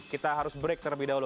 kita harus break terlebih dahulu